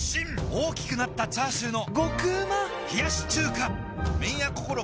大きくなったチャーシューの麺屋こころ